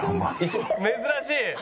珍しい。